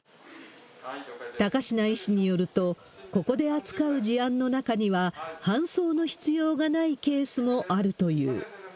高階医師によると、ここで扱う事案の中には、搬送の必要がないケースもあるという。